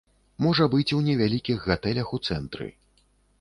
Можа быць, у невялікіх гатэлях у цэнтры.